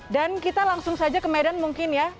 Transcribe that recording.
kita langsung saja ke medan mungkin ya